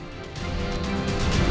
terima kasih banyak